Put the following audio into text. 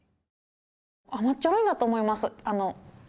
甘っちょろいんだと思います。